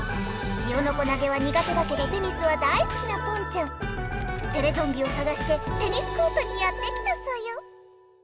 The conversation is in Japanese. ジオノコ投げはにがてだけどテニスはだいすきなポンちゃんテレゾンビをさがしてテニスコートにやって来たソヨ！